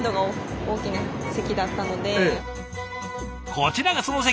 こちらがその席。